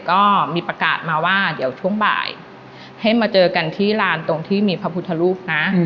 ก็มีประกาศมาว่าเดี๋ยวช่วงบ่ายให้มาเจอกันที่ลานตรงที่มีพระพุทธรูปนะ